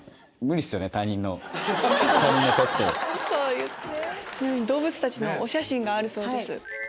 ちなみに動物たちのお写真があるそうです。